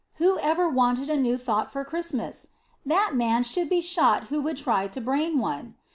Who ever wanted a new thought for Christmas? That man should be shot who would try to brain one.